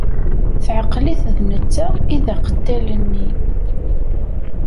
Teɛqel-it d netta i d aqettal-nni.